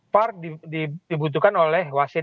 part dibutuhkan oleh wasit